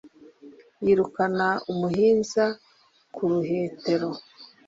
yirukana umuhinza ku ruhetero